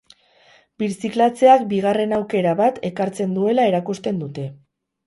Birziklatzeak bigarren aukera bat ekartzen duela erakusten dute.